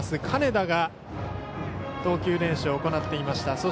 金田が投球練習を行っていました。